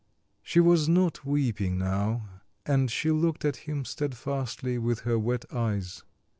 She was not weeping now, and she looked at him steadfastly with her wet eyes.